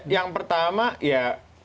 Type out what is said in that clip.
yang pertama ya